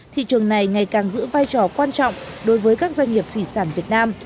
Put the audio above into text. thị trường này ngày càng giữ vai trò quan trọng đối với các doanh nghiệp thủy sản việt nam